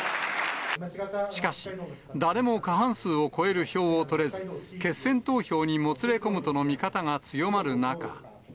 しかし、誰も過半数を超える票を取れず、決戦投票にもつれ込むとの見方が強まる中。